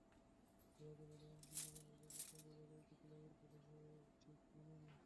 Diego ম্যারাডোনার মতো কিংবদন্তিকে পঞ্চম বিভাগের একটা ক্লাবের কোচ হিসেবে ঠিক মানায় না।